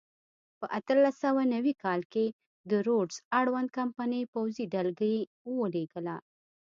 په اتلس سوه نوي کال کې د روډز اړوند کمپنۍ پوځي ډلګۍ ولېږله.